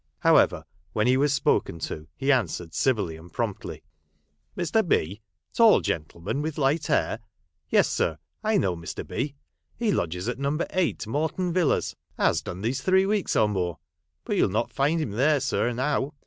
However, when he was spoken to, he answered civilly and promptly. "Mr. B. ? tall gentleman with light hair 1 Yes, sir, I know Mr. B. He lodges at No. 8, Morton Villas — has done these three weeks or more ; but you '11 not find him there, sir, now.